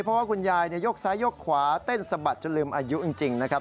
เพราะว่าคุณยายยกซ้ายยกขวาเต้นสะบัดจนลืมอายุจริงนะครับ